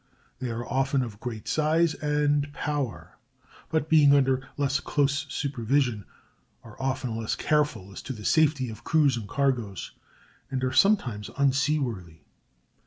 They are often of great size and power, but being under less close supervision are often less careful as to the safety of crews and cargoes, and are sometimes unseaworthy.